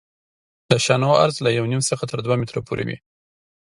د شانو عرض له یو نیم څخه تر دوه مترو پورې وي